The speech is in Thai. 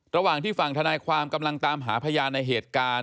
ระหว่างที่ฝั่งธนายความกำลังตามหาพยานในเหตุการณ์